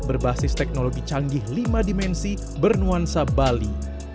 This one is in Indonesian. berbasis teknologi canggih lima dimensi bernuansa bali